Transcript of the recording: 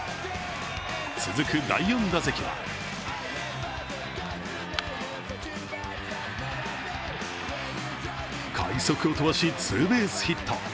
続く第４打席は快足を飛ばし、ツーベースヒット。